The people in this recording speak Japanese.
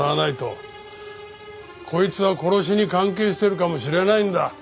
こいつは殺しに関係してるかもしれないんだ！